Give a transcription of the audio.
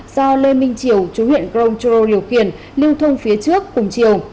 do lê minh chiều chú huyện công trò điều khiển lưu thông phía trước cùng chiều